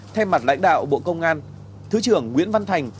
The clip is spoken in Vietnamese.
thay mặt lãnh đạo bộ công an thứ trưởng nguyễn văn thành